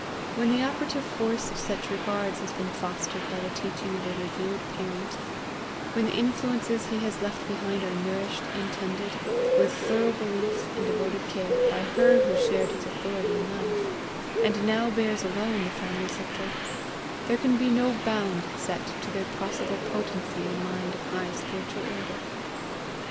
When the operative force of such regards has been fostered by the teaching of a revered parent; when the influences he has left behind are nourished and tended, with thorough belief and devoted care, by her who shared his authority in life, and now bears alone the family sceptre, there can be no bound set to their possible potency in a mind of high spiritual order.